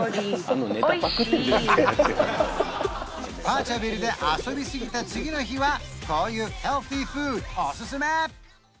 パーチャビルで遊びすぎた次の日はこういうヘルシーフードおすすめ！